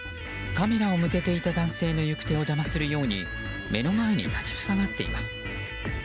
カメラを向けていた男性の行く手を邪魔するように目の前に立ち塞がっています。